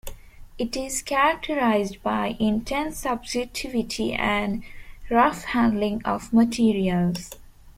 It is characterized by intense subjectivity and rough handling of materials.